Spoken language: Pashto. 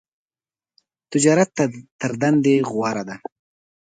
تجارت تر دندی غوره ده .